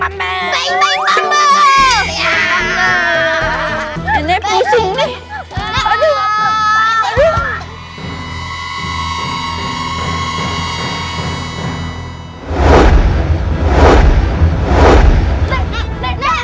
untuk juara pertama lomba tarik tambang lomba bakiak